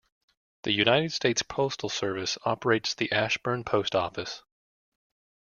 The United States Postal Service operates the Ashburn Post Office.